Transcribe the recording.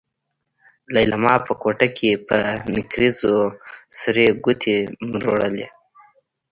ليلما په کوټه کې په نکريزو سرې ګوتې مروړلې.